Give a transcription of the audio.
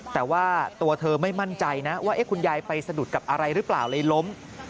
แต่ว่าตัวเธอไม่มั่นใจนะว่าคุณยายไปสะดุดกับอะไรหรือเปล่าเลยล้ม